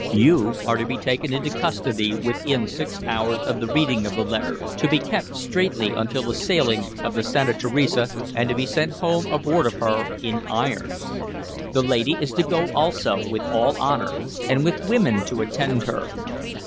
You are to be taken into custody within six hours of the reading of the letter, to be kept straitly until the sailing of the Santa Teresa, and to be sent home aboard of her in irons. The lady is to go also, with all honor, and with women to attend her.